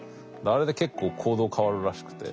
あれで結構行動変わるらしくて。